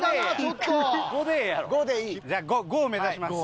じゃあ５を目指します。